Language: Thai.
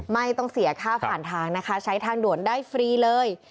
ไม่ต้องเสียค่าผ่านทางนะคะใช้ทางด่วนได้ฟรีเลย